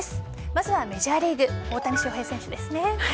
まずはメジャーリーグ大谷翔平選手ですね。